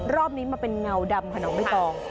รอบนี้มาเป็นเงาดำค่ะน้องใบตอง